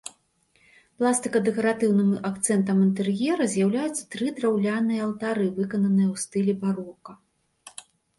Пластыка-дэкаратыўным акцэнтам інтэр'ера з'яўляюцца тры драўляныя алтары, выкананыя ў стылі барока.